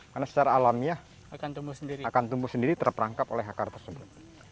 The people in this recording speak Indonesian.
karena secara alamiah akan tumbuh sendiri terperangkap oleh akar tersebut